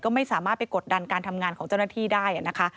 ก็ไม่สามารถไปกดดันการทำงานของเจ้าหน้าที่ได้นะคะ